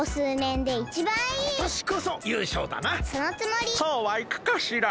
・そうはいくかしら？